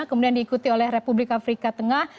kemudian diikuti oleh republik afrika tengah